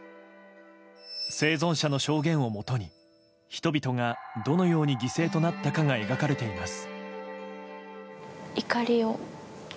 生存者の証言をもとに、人々がどのように犠牲となったかが描かれています。